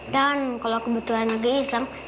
dan kalau kebetulan lagi iseng